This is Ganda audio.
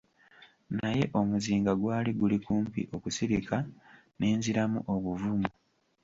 Naye omuzinga gwali guli kumpi okusirika ne nziramu obuvumu.